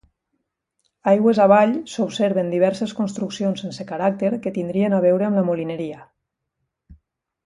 Aigües avall s'observen diverses construccions sense caràcter que tindrien a veure amb la molineria.